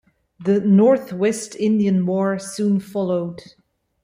The Northwest Indian War soon followed.